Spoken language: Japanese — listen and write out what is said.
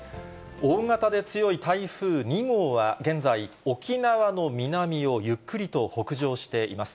大型で強い台風２号は、現在、沖縄の南をゆっくりと北上しています。